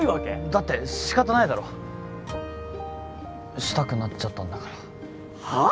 だって仕方ないだろしたくなっちゃったんだからはあ！？